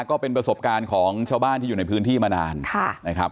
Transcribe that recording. ก็เป็นประสบการณ์ของชาวบ้านที่อยู่ในพื้นที่มานานนะครับ